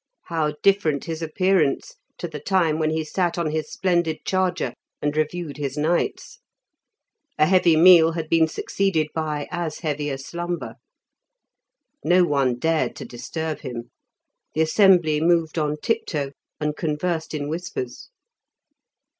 How different his appearance to the time when he sat on his splendid charger and reviewed his knights! A heavy meal had been succeeded by as heavy a slumber. No one dared to disturb him; the assembly moved on tiptoe and conversed in whispers.